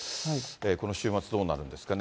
この週末どうなるんですかね。